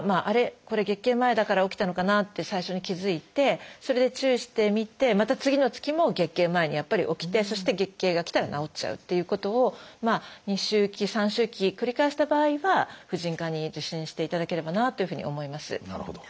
これ月経前だから起きたのかなって最初に気付いてそれで注意してみてまた次の月も月経前にやっぱり起きてそして月経がきたら治っちゃうということを２周期３周期繰り返した場合は婦人科に受診していただければなというふうに思います。